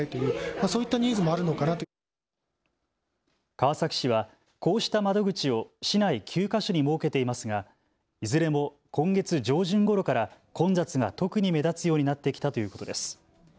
川崎市はこうした窓口を市内９か所に設けていますがいずれも今月上旬ごろから混雑が特に目立つようになってきたということです。